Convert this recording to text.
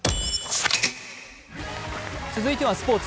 続いてはスポーツ。